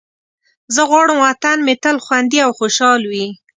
زه غواړم وطن مې تل خوندي او خوشحال وي.